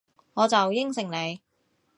我就應承你